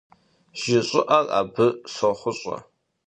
Жьы щӀыӀэр абы щохъущӀэ.